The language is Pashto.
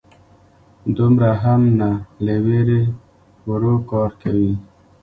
_دومره هم نه، له وېرې ورو کار کوي.